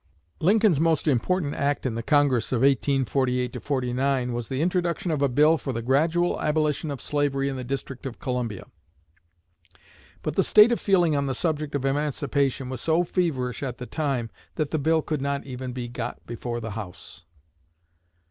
Lincoln's most important act in the Congress of 1848 9 was the introduction of a bill for the gradual abolition of slavery in the District of Columbia. But the state of feeling on the subject of emancipation was so feverish at the time that the bill could not even be got before the House.